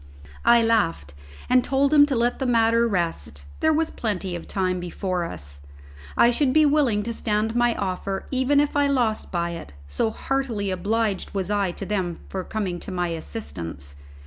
I laughed, and told him to let the matter rest, there was plenty of time before us; I should be willing to stand to my offer even if I lost by it, so heartily obliged was I to them for coming to my assistance.